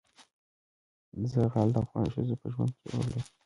زغال د افغان ښځو په ژوند کې رول لري.